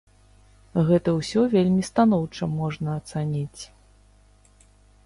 Гэта ўсё вельмі станоўча можна ацаніць.